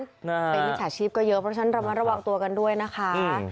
เป็นมิจฉาชีพก็เยอะเพราะฉะนั้นระมัดระวังตัวกันด้วยนะคะ